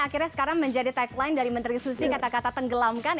akhirnya sekarang menjadi tagline dari menteri susi kata kata tenggelamkan